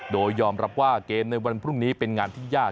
โดยยอมรับว่าเกมในวันพรุ่งนี้เป็นงานที่ยาก